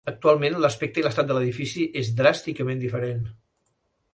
Actualment l'aspecte i l'estat de l'edifici és dràsticament diferent.